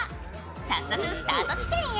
早速スタート地点へ。